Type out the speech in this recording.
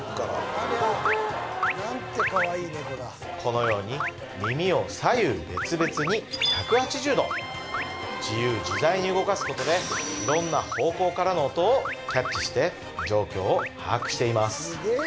このように耳を左右別々に１８０度自由自在に動かすことで色んな方向からの音をキャッチして状況を把握しています